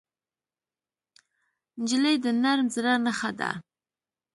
نجلۍ د نرم زړه نښه ده.